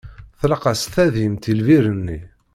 Tlaq-as tadimt i lbir-nni.